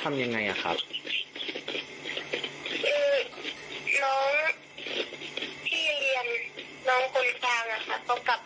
ถ้าไม่เข้าใจหนูออกเรียนให้ก็ได้